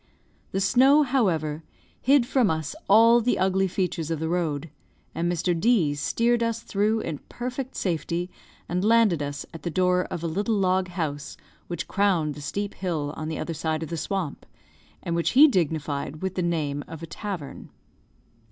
The snow, however, hid from us all the ugly features of the road, and Mr. D steered us through in perfect safety, and landed us at the door of a little log house which crowned the steep hill on the other side of the swamp, and which he dignified with the name of a tavern.